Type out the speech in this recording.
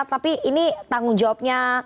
tapi ini tanggung jawabnya